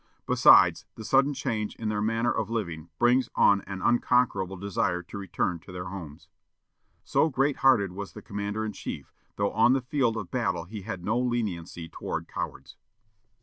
Besides, the sudden change in their manner of living brings on an unconquerable desire to return to their homes." So great hearted was the commander in chief, though on the field of battle he had no leniency toward cowards.